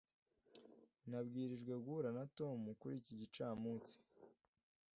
nabwirijwe guhura na tom kuri iki gicamunsi